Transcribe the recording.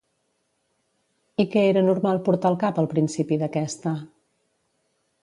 I què era normal portar a cap al principi d'aquesta?